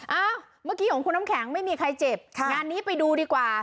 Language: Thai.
เมื่อกี้ของคุณน้ำแข็งไม่มีใครเจ็บงานนี้ไปดูดีกว่า